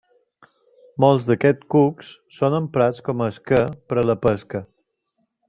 Molts d'aquests cucs són emprats com a esquer per a la pesca.